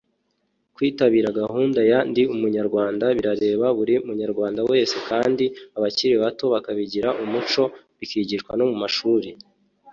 Kwitabira gahunda ya Ndi umunyarwanda birareba buri munyarwanda wese kandi abakiri bato bakabigira umuco bikigishwa no mu mashuri.